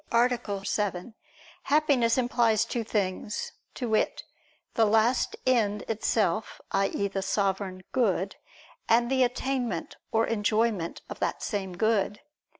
7), Happiness implies two things, to wit, the last end itself, i.e. the Sovereign Good; and the attainment or enjoyment of that same Good.